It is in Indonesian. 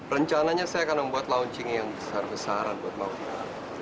rencananya saya akan membuat launching yang besar besaran buat mafia